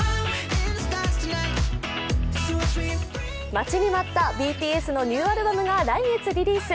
待ちに待ったＢＴＳのニューアルバムが来月リリース。